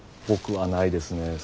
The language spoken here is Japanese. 僕はないですね